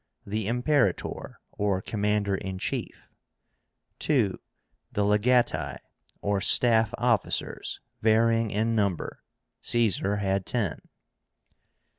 The IMPERATOR, or commander in chief. 2. The LEGÁTI, or staff officers, varying in number. Caesar had ten.